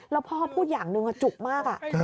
แล้วพ่อพูดอย่างหนึ่งจุกมาก